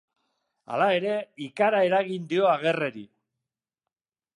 Hala ere, ikara eragin dio Agerreri.